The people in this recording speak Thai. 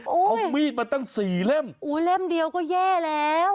เอามีดมาตั้งสี่เล่มอู๋เล่มเดียวก็แย่แล้ว